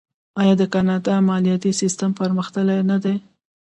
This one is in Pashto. آیا د کاناډا مالیاتي سیستم پرمختللی نه دی؟